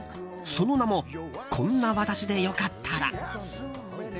その名も「こんな私でよかったら」。